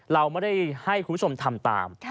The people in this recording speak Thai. เราไม่ได้ให้คุณผู้ชมทำตาม